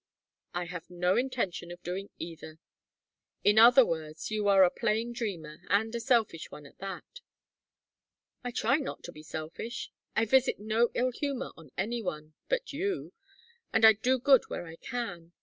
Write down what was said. "I have no intention of doing either " "In other words you are a plain dreamer, and a selfish one at that " "I try not to be selfish. I visit no ill humor on any one but you! and I do good where I can.